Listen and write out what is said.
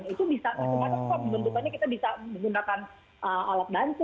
itu bisa maksimalnya kita bisa menggunakan alat bantu gitu